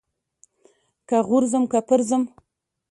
که غورځم که پرځم.